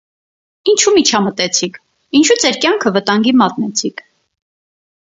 - Ինչո՞ւ միջամտեցիք, ինչո՞ւ ձեր կյանքը վտանգի մատնեցիք: